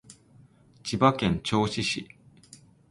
千葉県銚子市